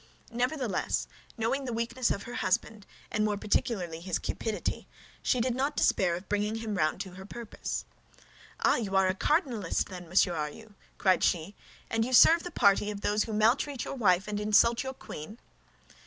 Nevertheless, knowing the weakness of her husband, and more particularly his cupidity, she did not despair of bringing him round to her purpose. "Ah, you are a cardinalist, then, monsieur, are you?" cried she; "and you serve the party of those who maltreat your wife and insult your queen?"